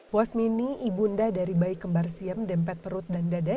wasmini ibunda dari bayi kembar siem dempet perut dan dada